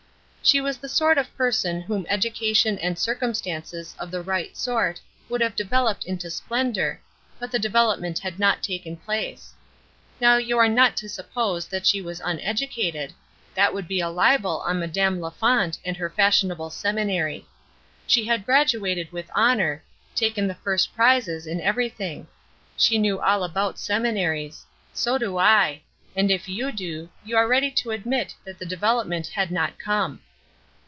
She was the sort of person whom education and circumstances of the right sort would have developed into splendor, but the development had not taken place. Now you are not to suppose that she was uneducated; that would be a libel on Madame La Fonte and her fashionable seminary. She had graduated with honor; taken the first prizes in everything. She knew all about seminaries; so do I; and if you do, you are ready to admit that the development had not come.